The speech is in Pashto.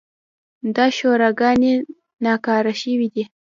دا شوراګانې ناکاره شوې دي.